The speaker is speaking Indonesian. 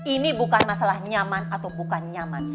ini bukan masalah nyaman atau bukan nyaman